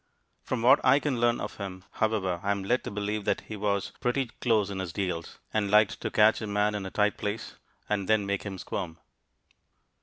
From what I can learn of him, however, I am led to believe that he was pretty close in his deals, and liked to catch a man in a tight place and then make him squirm.